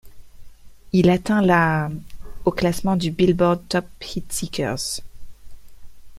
Il a atteint la au classement du Billboard Top Heatseekers.